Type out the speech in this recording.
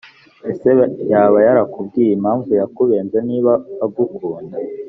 Ese yaba yarakubwiye impamvu yakubenze niba agukunda